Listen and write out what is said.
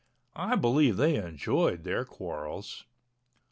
I believe they enjoyed their quarrels.